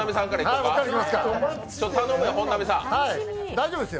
大丈夫です！！！！